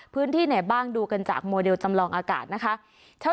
พื้นที่ไหนบ้างดูกันจากโมเดลจำลองอากาศนะคะ